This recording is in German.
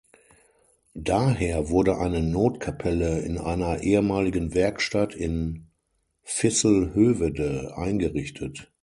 Daher wurde eine Notkapelle in einer ehemaligen Werkstatt in Visselhövede eingerichtet.